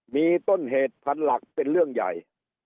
มีต้นเหตุพันหลักเป็นเรื่องใหญ่